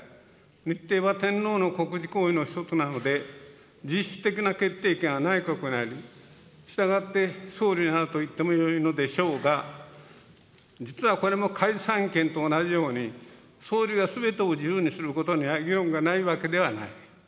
日程は天皇の国事行為の一つなので、実質的な決定権は内閣にあり、したがって総理にあると言ってもよいのでしょうが、実はこれも解散権と同じように、総理がすべてを自由にすることには議論がないわけではない。